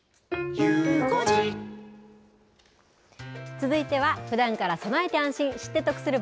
続いては、ふだんから備えて安心、知って得する！